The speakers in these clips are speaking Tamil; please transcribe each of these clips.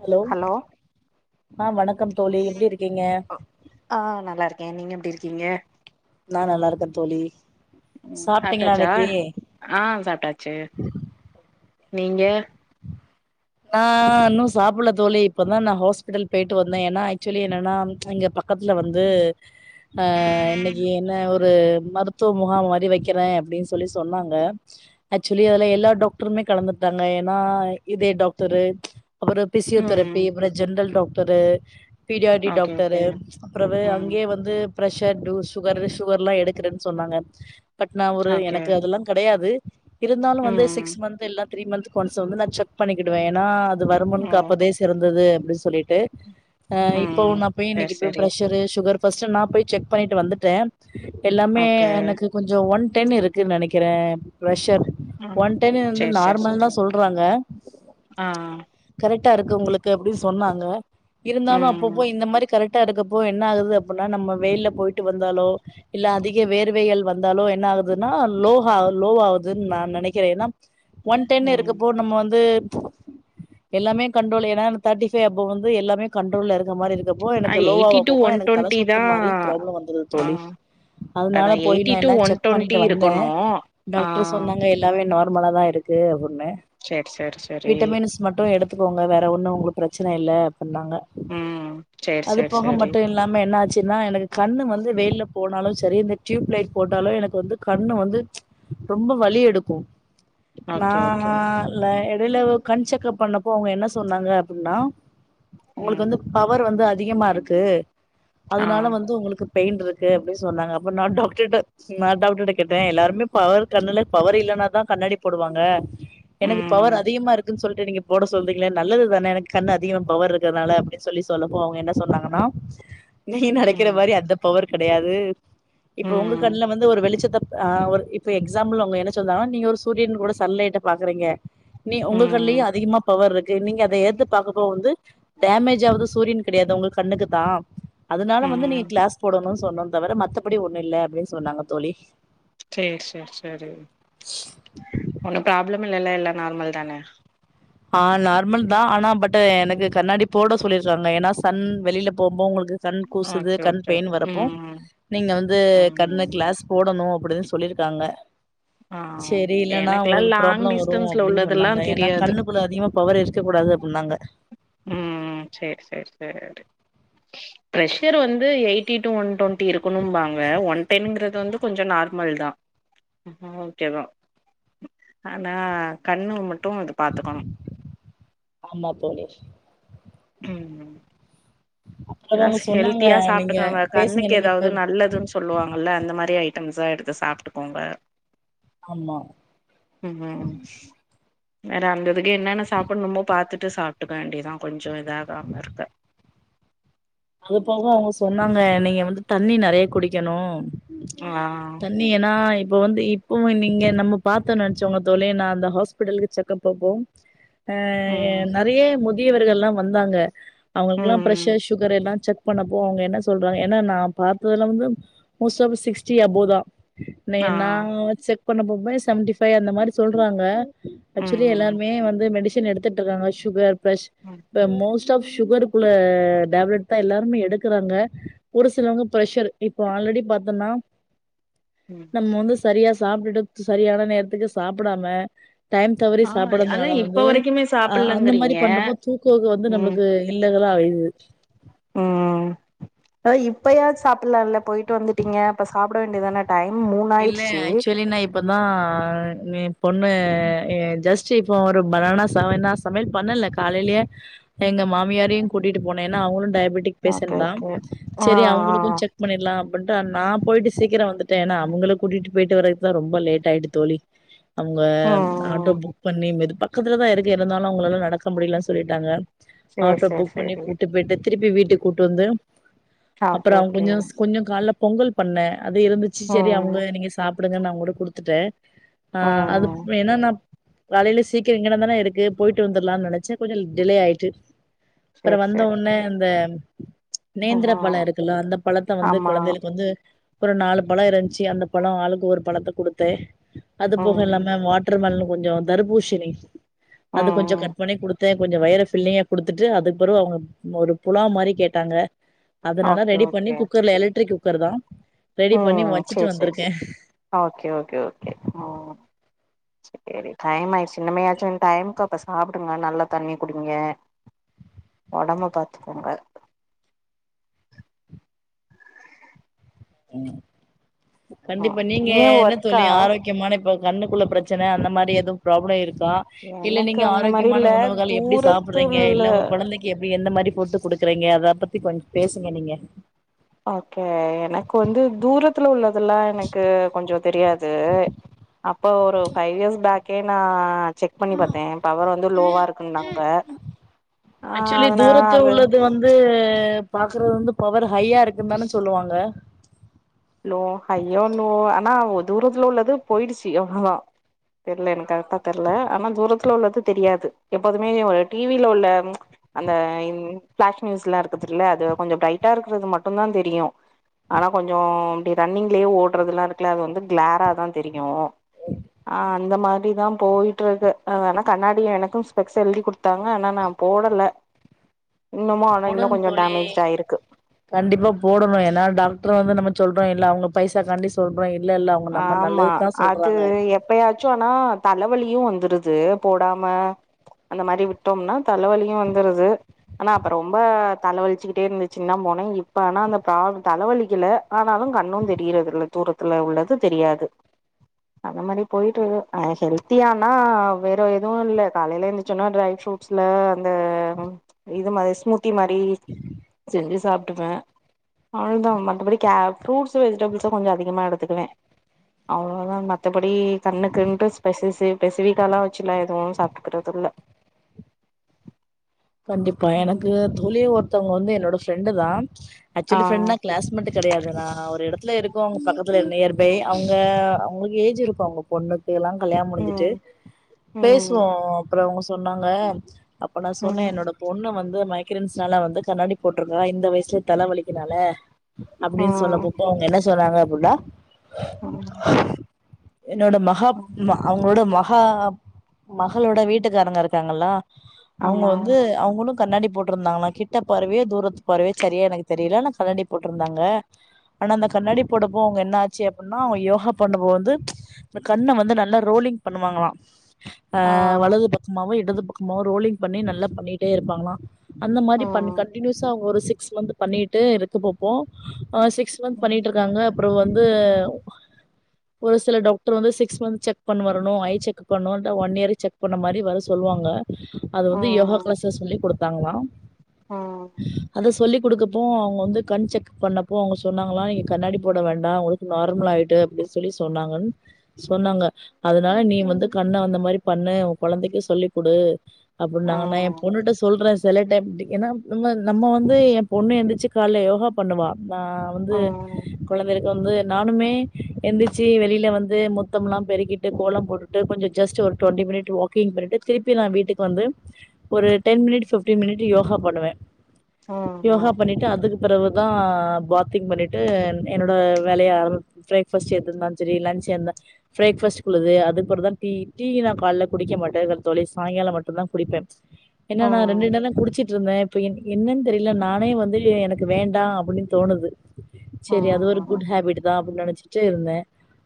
ஹலோ ஆஹ் வணக்கம் தோழி எப்படி இருக்கீங்க ஏன் நீங்க எப்படி இருக்கீங்க நான் நல்லா இருக்கேன் தோழி உம் சாப்ட்டீங்களா சாப்பிட்டாச்சா இன்னைக்கி ஆஹ் சாப்பிட்டாச்சு நீங்க. நான் இன்னும் சாப்பிட தோழி இப்பதான் நான் ஹாஸ்பிட்டல் போயிட்டு வந்தேன் ஏன்னா ஆக்சுவலி என்னன்னா அங்க. பக்கத்துல வந்துஹ இன்னைக்கு என்ன ஒரு. மருத்துவ முகாம் மாிரி வைக்கிறேன் அப்படின்னு சொல்லி சொன்னாங்க ஆக்சுவலி அதுல எல்லா டாக்டருமே கலந்துட்டாங்க ஏன்னா இதே டாக் தர. ஒரு பிசியோதெரபி ம் அப்றம் ஜன்ரல் டாக்டர். ட்டரு பிடி ஆர் டி ஓகே ஓகே டாக்டரு அப்புற ம் அங்கயே வந்து. ப்ரெஷர் டூ சுகர் சுகர் எல்லா எடுக்குறேன்னு சொன்னாங்க. பட்னாவூர் ஓகே எனக்கு அதெல்லா கிடையாது. இருந்தாலும் வந்து ம் சிக்ஸ் மந்த் இல்ல. த்ரீ மந்த்க்கு ஒன்ஸ் வந்து நா செக் பண்ணி க் கிடுவ ஏன்னாது. வருமுன் ஓ காப்பதே சிறந்தது அப்படி சொ. சொல்லிட்டு. ஆஹ் இப்ப ம் உன்னா போய் இன்னைக்கு சேரி இப்ப சேரி ப்ரெஷரு சுகர். ஃபஸ்டு நான் போய் செக் பண்ணிட்டு வந்துட்டேன். எல்லாமே ஓகே எனக்கு கொஞ்சம் ஒன். டென் இருக்குன்னு நினைக்கிறேன். பிரஷர் ம் ஒன்டென் வந்து சேரி நார்மல் தான் சொல்றாங்க. ஆஹ். கரெக்ட்டா இருக்கு உங்களுக்கு அப்படின்னு சொன்னாங்க. இருந்தாலு ம் அப்பப்போ இந்த மாதிரி கரெக்ட். அடுக்கப்போ என்ன ஆகுது அப்படின்னா நம்ம வெயில்ல போயிட்டு வந்தாலோ இல்ல அதிக வேர்வைகள் வந்தாலோ என்ன ஆகுதுன்னா லோ லோ ஆகுதுன்னு நான் நினைக்கிறேன் ஏன்னா. ஒன் டென் ம் இருக்கப்போ நம்ம வந்து. எல்லாமே கண்ட்ரோல் ஏன்னா தேர்ட்டிபைவ் அபவ் வந்து எல்லாமே கண்ட்ரோல் இருக்க மாதிரி இருக்கு. ஆ எனக்கு எயிட்டி லோவாக டு போகு ஒன் எனக்கு தல டுவெண்ட்டி தா சுத்து மாரி ப்ரோப்ளம் வந்தது ஆ தோழி அதனால அதா போய் எயிட்டி நா டு எல்லா ஒன் செக் டுவெண்ட்டி பண்ணிட்டு வந்தேன் இருக்கணு ஆ டாக்டர் சொன்னாங்க எல்லாமே நார்மல் மல தான் இருக்கு அப்படின்னே. சரி சரிரி. விட்டமின்ஸ் மட்டு எடுத்துக்கோங்க வேற ஒண்ணு உங்களுக்கு பிரச்ச. பிரச்சனை இல்லை. பண்ணாங்க ம் சேரி அது சேரி போக சேரி மட்டு இல்லாம என்ன ஆச்சுன்னா எனக்கு கண்ணு வந்து ம் வெயில்ல போனாலு சரி இந்த டியூப்லைட் போட்டாலும் எனக்கு வந்து கண்ணு வந்து ரொம்ப வலி எடுக்கும். நா ஓகே ஓகே லா ல [unintelligible] கண் செக்ப் பண்ணப்போ அவங்க என்ன சொன்னாங்க அப்படின்னா. உங்களுக்கு ம் வந்து பவர் வந்து அ திகமா இருக்கு ஆ அதுனால வந்து உங்களுக்கு பெயின்ருக்கு அப்டி சொன்னாங்க அப்ப நா டாக்டர்ட நா டாக்டர்ட கேட்டே எல்லாருமே பவர் கண்ணுல பவர் இல்லனா தா கண்ணாடி போடுவாங்க உம் கமாருக்குனு சொல்லிட்டு நீங்க போட சொல்றீங்களே நல்லது தானே எனக்கு கண்ணு அதிக பவர் இருக்கிறனால அப்டினு சொல்லி சொல்லப்போ அவுங்க என்ன சொன்னாங்கன்னா நீ நெனக்கிற மாரி அந்த பவர் கெடையாது இப்ப உங்க ம் கண்ணுல வந்து ஒரு வெளிச்சத்த ஆஹ் ஒரு இப்ப எக்ஸாம்பிள் அவுங்க என்ன சொன்னா நீங்க ஒரு சூரியன் கூட சலன்லேட்ட பாக்குறீங்க நீ உங்க ம் கல்லயோ அதிகமா பவர் இருக் கு நீங்க அத ஏத்து பாக்கப்போ வந்து டேமேஜ் ஆவுது சூரியன் கெடையாது உங்க கண்ணுக்கு தா அதுனால வந்து நீங்க ம் கிளாஸ் போடணு சொன்னோ தவர மத்தபடி ஒண்ணு இல்ல அப்டினு சொன்னாங்க தோழி செரி செரி செரி ஒண்ணு ப்ராப்ளம் இல்லல எல்லா நார்மல் தான ஆஹ் நார்மல் தா ஆனா பட் டு எனக்கு ம் கண்ணாடி போட சொல்லி டுறாங்க ஏனா சன் வெளியில போ போ உங்களுக்கு கு கண் கூசுது ஓகே கண் ஓகே பெயின் வரப்போ ம் நீங்க வந்து கண்ணு ம் கிளாஸ் போடணு அப்டினு சொல்லிருக்காங்க ஆஹ் சேரி இல்லன்னா எனக்குல்லா உங்களுக்கு லாங் ப்ராப்ளம் வரு டிஸ்டன்ஸ்ல அப்டின்னு உள்ளதெல்லா சொன்னாங்க ஏன்னா தெரியாது கண்ணுக்குள்ள அதிகமா பவர் இருக்க கூடாது அப்டினாங்க உம் உம் செரி செரி செரி ப்ரெஷர் வந்து eighty to one twenty இருக்கணுபாங்க ஒன் டென்ங்கிற து வந்து கொஞ்சோ நார்மல் தா ஆ ஓகேவ ஆனா கண்ணு மட் டு இது பாத்துக்கணு ஆமா தோழி உம் அப்றோ அவங்க ப்ளஸ் சொன்னாங்க ஹெல்த்தியா நீங்க சாப்டுக்கோங்க பேசுங்க கண்ணுக்கு நீங்க ஏதாவது இப்ப நல்லதுனு சொல்லுவாங்கல அந்த மாரி ஐட்டம் ஸா எடுத்து சாப்டுக்கோங்க ஆமா உம் வேற அந்ததுக்கு என்னென்ன சாப்னுமோ பாத்துட்டு சாப்ட்டுக்க வேண்டியதா கொஞ்சோ இதாகாம இருக்க அது போக அவங்க சொன்னாங்க நீங்க வந்து தண்ணி நெறைய குடிக்கணு ஆ தண்ணி ஏனா இப்ப வந்து இப்பவும்ல நீங்க நம்ம பா்த்தோ நினைச்சோங்க தோழி நா அந்த ஹாஸ்பிட்டல்க்கு செக்கப் போப்போ. ஹ ம் நெறிய மு பெரியவர்கள்ல்லா வந்தாங்க அவுங்களுக்கெல்லா ம் ப்ரஷர் சு லா செக் பண்ணப்போ அவுங்க என்ன சொல்றாங்க ஏனா நா பாத்ததுலந்து மோஸ்டா சிக்ஸ்டீ அபோதா ந ஆ என்னா செக் பண்ண போம்ப செவன்டிஃபைவ் அந்தமாரி சொல்றாங்க. ஆச்சுவலி ம் ம் எல்லாருமே வந்து மெடிஸ் சன் எடுத்துட்ருக்காங்க. சுகர் பளஷ் ம் த மோஸ்ட் த சுகர்க்குள்ள டேப்லட்தா எல்லார்மே எடுக்கறாங்க. ஒரு சிலவங்க ப்ரெஷர் இப்ப ஆல்ரெடி பாத்தோனா. ம் நம்ம வந்து சரியா சாப்ட்டுட்டு சரியான நேரத்துக்கு சாப்படாம டைம் தவறி ஆ அதா சாப்பட்றதுனால இப்ப வந்து வரைக்குமே அந்த மாரி சாப்டலங்கிறீங்க பண்றப்போ தூக்கோ வந்து நம்ளுக்கு இல்ல. என்னடா இது உம் இப்பயாது சாப்பட்லால்ல போய்ட்டு வந்துட்டீங்க. அப்ப சாப்ட வேண்டிதான இல்ல ஆக்சுவலி நா இப்பதா நீ பொண்ணு அ ஜஸ்ட் சே இப்போ ஒரு பனானா சா நா சமயல் பண்ணல காலேலயே எங்க மாமியாரயு கூட்டிட்டு போனே. ஆன அவுங்ளு டய பட்டிக் ஓகே பேசன்தா ஓகே ஆ செரி ஆ அவுங்களுக்கு செக் பண்ணிட்லா அப்பின்டு நா போயிட்டு சீக்கிரோ வந்துட்ட ஏனா கூட்டீட்டு போய்ட்டு வரக்குதா ரொம்ப லேட் ஆயிட்டு தோழி. அவுங்க ம் ஆட்டோ ம் புக் பண்ணி மெது ப பக்கத்துலதா இருக்கு இருந்தாலு அவுங்களால நடக் க முடிலனு சொல்லிட்டாங்க. சேரி ஆட்டோ சேரி புக் பண்ணி சேரி கூட்டு போய்டு திருப்பி வீட்டுக் கூட்டு வந்து ஓகே அப்பறோ அவ ஓகே கொஞ்சோ கொஞ்சோ கால்ல பொங்கல் பண்ண அது இருந்துச்சு. செரி ம் அவுங்க நீங்க சாப் படமே நாகூட குடுத்துட்ட. ஆஹ் அது ம் என்னனா காலைல சீக்கிர இங்கன்ன தானே இருக்கு போயிட்டு வந்துடலானு நெனச்ச கொஞ்ச டிலே ஆயிட்டு அப்பற சேரி சேரி வந்தவொனே சேரி இந்த நேந்தர பழ ம் இருக்குல அந்த பழத்த வந்து ஆமா கொழந்தைகளுக்கு வந்து ஒரு நாலு பழ இரு ச்சி அந்த பழ ஆளுக்கு ஒரு பழத்த குடுத்து அது போக ம் இல்லாம வாட்டர் மெல கொஞ்ச தர்பூஷணி அது கொஞ்ச ம் கட் பண்ணி கொடு கொஞ்ச வயிர பில்லிங்கா குடுத்துட்டு அதுக்கு பொறவு அவங்க ஒரு புலாவ் மாரி கேட்டாங்க அதனால ஓகே ரெடி பண்ணி ஓகே குக்கர்ல எலக்ட்ரிக் க்கர்தா ரெடி பண்ணி வச் செரி செரி செரி ஓகே ஓகே ஓகே ஹ் சரி டைம் ஆயிர்ச்சி இன்னமயாச்சு டைமுக்கு அப்ப சாப்பிடுங்க நல்லா தண்ணி குடிங்க ஒடம்ப பாத்துக்கோங்க உஹம் ம் கண்டிப்பா நீங்க ஏ என்ன ஒர்க்கா தோழி ஆரோக்கியமான இப்ப கண்ணுக்குள்ள பிரச்சன அந்த மாரி எதுவு ப்ராப்ளம் இரு கா இல்ல எனக்கு நீங்க அந்த மாரி இல்ல ஆரோக்கியமான உணவுகள் எப்டி சாப்பிடுறீங்க தூரத்துல இல்ல உங்க குழந்தைக்கு எப்டி எந்த மாரி போட்டு குடுக்குறீங்க அத பத்தி கொஞ்ச பேசுங்க நீங்க ஓகே எனக்கு வந்து தூரத்துல உள்ளதெல்லா எனக்கு கொஞ்ச தெரியாது அப்போ ஒரு ஃபைவ் இயர்ஸ் பேக் க்கேன செக் பண்ணி பாத்தே பவர் வந்து லோவா இருக்குன்னாங்க ஆ ஆக்சுவலி அதனா தூரத்து அது உள்ளது வந்து பாக்குறது வந்து பவர் ஹையா இருக்குந்தான சொல்லுவாங்க லோ ஹையோ லோ ஆனா ஒ தூரத்துல உள்ளது போயிடுச்சு அவ்ளோதா தெரில எனக்கு தெர்ல ஆனா தூரத் தூரத்ல உள்ளது தெரியாது எப்போதுமே ஒரு டிவில உள்ள அந்த ன் ஃபளாஸ் நியூஷ்லா இருக்குதுல அது கொஞ்ச பிரைட்டா இருக்கிறது மட்டு தா தெரியு ஆனா கொஞ்சோ அப்டி ரன்னிங்லயே ஓடுறதுலா இருக்குல அது வந்து கிளாரா தா தெரியு ஆஹ் அந்த மாரி தா போயிட்டு இருக்கு ஆனா கண்ணாடி எனக்கு ஸ்பெக்ஸ் எழுதி குடுத்தாங்க ஆனா நா போடல இன்னமு ஆனா இன்னு போடணு கொஞ்சோ தோழி டேமேஜ்ட் ஆயிருக்கு கண்டிப்பா போடணு ஏன்னா டாக்டர் வந்து நம்ம சொல்றோ இல்ல அவங்க பைசா காண்டி சொல்றோ இல்ல இல்ல அவங்க நம்ம ஆமா நல்லதுக்கு தா அது சொல்றாங்க எப்பயாச்சு ஆனா தலவலி இப்பயு வந்துருது போடாம அந்த மாரி விட்டோம்னா தலவலியு வந்துருது ஆனா அப்ப ரொம்ப தலவலிச்சிக்கிட்டே இருந்சுனா போனே இப்ப ஆனா அந்த தலைவலிக்கல ஆனாலு கண்ணு தெரியறது இல்ல தூரத்துல உள்ளது தெரியாது அந்தமாரி போயிட்டுஇரு ஆ ஹெல்தியானா வேற எதுவு இல்ல காலைல எந்திச்சோன ட்ரை ஃபுரூட் ல அந்த இது மாரி ஷ்மூத்தி தி மாறி சென்ஜி சாப் அவளதான் மற்றபடி புருட்ஸ் வெஜிடபிள்ஸ கொஞ்ச அதிகமா எடுத்துக்குவேன் அவ்ளோதான் மத்தபடி தன்னுக்கு என்று ஸ்பெ பெசிவிகலாம் வச்சுலாம் எதுவும் சாப்பிட்டுக்கறது இல்ல கண்டிப்பா எனக்கு தோழி ஒரு இவங்க வந்து என்னோட ஃபிரெண்டு தான் ஆ ஆக்சுவலி ஃபிரெண்டு தான் கிளாஸ்மேட் கிடையாது ஒரு இடத்து இருக்கோ அவங்க பக்கத்துல நியர் அவங்க அவங்களுக்கு ஏஜ் இருக்கும் அவங்க பொண்ணுக்கு எல்லாம் கல்யாணம் முடிஞ்சுட்டு ம் ம் பேசுவோம் அப்புறம் அவங்க சொன்னாங்க அ சொன்ன ம் என்னோட பொண்ணு வந்து மை வன்னால வந்து கண்ணாடி போட்டிருக்கான் இந்த வயசுல தலை வலிக்குனால அப்படின்னு சொல்ல போப்போ அவங்க என்ன சொன்னாங்க அப்டின்னா உஹம் என்னோட மகா அவங்களோட மக ஹ மகளோட வீட்டுக்காரங்க இருக்காங்களா அவங்க ஆமா வந்து அவங்களும் கண்ணாடி போட்டிருந்தாங்களா கிட்ட பார்வையோ தூரத்து பார்வ சரியா எனக்கு தெரியல ஆனா கண்ணாடி போட்டிருந்தாங்க ஆனா அந்த கண்ணாடி போடப்போ அவங்க என்ன ஆச்சு அப்படின்னா அவங்க யோகா பண்ணபோ வந்து இந்த கண்ணை வந்து நல்லா ரோலிங் பண்ணுவாங்களாம் ஆ ஆஹ் வலது பக்கமாவும் து பக்கமோ ரோலி் பண்ணி நல்லா பண்ணிட்டே இருப்பாங்களாம் அந்த மாதிரி பண்ண ம் கண்டினியூஸா அவங்க ஒரு சிக்ஸ் வந்து பண்ணிட்டு இத்து போப்போம் ஆ சிக்ஸ் மந்த் ம் பண்ணிட்டு இருக்காங்க அப்புறம் வந்து ஒரு சில டாக்டர் வந்து சிக்ஸ் மந்த் செக் பண்ண வரணும் ஐ செக் பண்ணும் ஒன் இயர் செக் பண்ண மாதிரி வர சொல்லுவாங்க அது ம் வந்து யோகா ம் கிளாஸ்ல சொல்லி கொடுத்து ாங்களா ம் அத சொல்லி கொடுக்கப்போ அவங்க வந்து கண் செக்ப் பண்ணப்போ அவங்க சொன்னாங்களாம் நீங்க கண்ணாடி போட வேண்டாம் அவங்களுக்கு நார்மல் ஆயிட்டு அப்படின்னு சொல்லி சொன்னாங்கன்னு சொன்னாங்க அதனால நீ வந்து கண்ணை அந்த மாதிரி பண்ணு உங்க குழந்தைக்கு சொல்லி் கொடு அப்படி நாங்க ந என் ம் பொண்ணுட்டு சொல்றேன் சில டைம்டி ஏன்னா நம்ம நம்ம வந்து என் பொண்ணு எழுந்திரச்சி காலையில் யோகா பண்ணுவா ந வந்து ம் குழந்தை இருக்கு வந்து நானுமே எந்திர்ச்சி வெளில வந்து முத்தம்லாம் பெருக்கிட்டு கோலம் போட்டுட்டு கொஞ்சொ ஜஸ்டு ஒரு ட்வொன்டி மினிட்டு வாக்கிங் பண்ணிட்டு திருப்பி நா வீட்டுக் வந்து ஒரு ten minute fifteen minute yoga பண்ணுவ யோஹா பண்ணிட்டு அதுக் பிறவு தா பாத்திங் பண்ணிட்டு என்னோட வேலைய அம் ஃபிரேக்ஃபாஸ்ட் எதிந்தாஞ் செரி லன்ச்சு என்ன ஃபிரேக்பாஸ்ட் குல்லது அதுக்பிற தா டீ டீ நா கால்ல குடிக்க மாட்ட தோழி சாய்ங்காலோ மட் டுந்தா குடிப்ப என்னா நா ரெண்டு ம் [unintelligible] குடிச்சு ட்ருந்த இப்ப என் என்னன் தெரில நானே வந்து எனக்கு வேண்டா அப்புடின் தோணுது ச்செரி அது ஒரு ம் குட் ஹேபிடு தா அப்டினு நெனச்சிட்டு இருந்த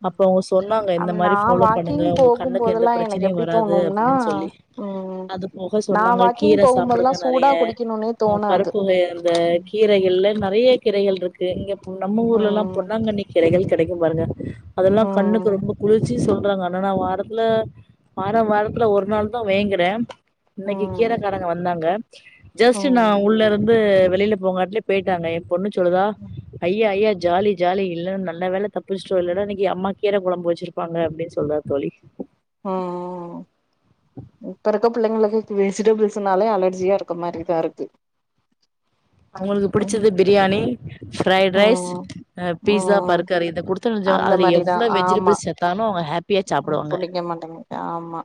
அப்றோ சொன்னாங்க இந்த அம் நா மாரி ஃபாலோ பண்ணுங்க வாக்கிங் உங்க கண்ணுக்கு எந்த போகும்போதெல்லா எனக்கு ப்ரெச்சனையு எப்டி வராது தோணும்னா அப்டின்னு சொல்லி ம் அது போக நா சொன்னாங்க வாக்கிங் கீர போகும்போதெல்லா சாப்புடுங்க நறைய சூடா குடிக்கணுனே தோணாது பருப்பு வகை அந்த கீரைகள்ல நறைய கீரைகள்ருக்கு இங்க பு நம்ம ஊர்லல்லா ம் பொன்னாங்கண்ணி கீரைகள் கெடைக்கு பாருங்க அதெல்லா ம் கண்ணுக்கு ரொம்போ குளிர்ச்சி சொ றாங்க ஆனா நா வாரத்துல வார வார் த்ல ஒரு நாள் தா வேங்குற இன்னைக்கு ம் கீரக்காரங்க வந்தாங்க ஜஸ்டு நா ம் உள்ளருந்து வெளில போங்காட்லிய பேய்ட்டாங்க பொண்ணு ச்சொல்லுதா ஐய ஐயா ஜாலி ஜாலி இல்லன் நல்ல வேல தப்பிச்ட்டோ இல்லனா இன்னைக்கி அம்மா கீர கொழம்பு வெச்சிருப்பாங்க அப்டின் சொல்றா தோழி ம் இப்ப இருக்க புள்ளைங்களுக்கு வெஜிடபிள்ஸுனாலே அலர்ஜியா இருக்க மாரிதா இருக்கு அவுங்களுக்கு புடிச்சது ம் பிரியாணி ஃப்ரைட் ரைஸ் ம் அ பீஸா ம் பர்கர் இத குடுத்தோன்னு வச்சுக்கோங்க அந்த அதுல மாரிதா எவ்ளோ ஆமா வெஜிடபிள்ஸ் செத்தாலு அவுங்க ஹேப் புடிக்க மாட்டிங்கு ஆமா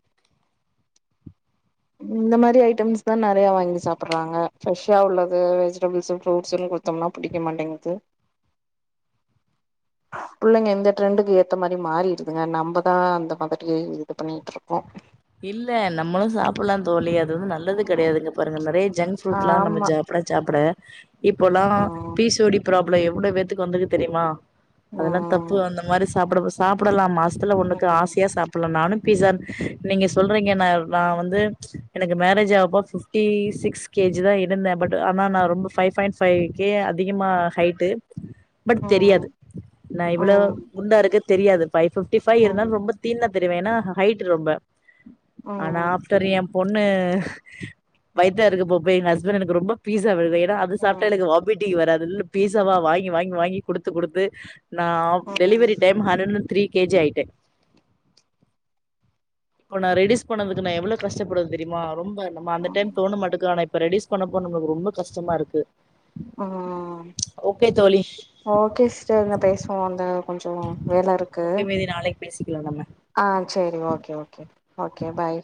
இந்த மாரி ஐடம்ஸ் தா நறைய வாங்கி சாப்புட்றாங்க ஃப்ரெஷா உள்ளது வெஜிடபிள்ஸு ஃப்ரூட்ஸுன் குத்தம்னா புடிக்க மாட்டேங்குது புள்ளைங்க இந்த டரெண்டுக்கு ஏத்த மாரி மாறிடுதுங்க நம்ப தா அந்த பக்கத்துலயே இது பண்ணிட்ருக்கோ இல்ல நம்மளு சாப்புட்லாந் தோழி அத் து வந்து நல்லது கெடையாதுங்க பாருங்க நறைய ஜங்க் ஃப்ருட்லா நம்ம ஆமா சாப்ட சாப்ட இப்போல்லா ம் பீசோடி பிராப் உள்ளே எவ்ளோ பேத்துக் வந்துக்கு தெரிமா அதல்லா தப்பு ம் அந்த மாரி சாப்படபஸ் சாப்புடலா மாஸ் துல உண்ணுக்கு ம் ஆசியா சாப்புல்லெ நானு பீசன் நீங்க சொல்றீங்க நா நா வந்து எனக்கு மேரேஜ் அ ப்போ ஃபிப்டீ சிக்ஸ் கேஜி தா இருந்தே பட் அனா நான் ரொம்போ ஃபைவ் ஃபாயிண் ஃபைவ்கே அதிகமா ஹைட்டு பட் தெரியாது ம் நா இவ்ளோ ம் குண்டாருக்கத் தெரியாது ஃபை ஃபைிப்டி ஃபை ம் இருந்தாலு ரொம்போ தீன்னத் தெரிவேனா ஹைட் ரொம்ப அனா ம் ஆப்டெரியம் பொண்ண வயிட்டாருக்கு பொம் பே எ ஹஸ்பண்னக்கு ரொம்போ பீஸ்ஸா வர்வே தா அது ம் சாப்ட்டா எனக்கு வாமிட் ட்டி வராதுன் பீஸ்ஸாவா வாங்கி வாங்கி வாங்கி குடுத்து குடுத்து நா அவ் ம் delivery time hundred three KG ஆயிட்டே இப்போ நா ரெடிஸ் பண்ணதுக்கு நா எவ்ளோ கஷ்டப்படும் தெரிமா ரொம்ப இப்ப நம்ம அந்த டைம் தோண மட்டுக்கு ஆனா இப்ப ரெடீஸ் பண்ண போன நமுக் ரொம்போ கஷ்டமாருக்கு ஆம் தோழி ஓகே சிஸ்டர் நா பேஸ்வோ அந்த கொஞ்சோ வேலெருக்கு பேசி ஆ செரி ஓகே ஓகே ஓகே பாய்